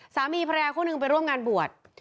สามีภรรยาคู่หนึ่งไปร่วมงานบวช